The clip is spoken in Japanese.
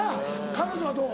彼女はどう？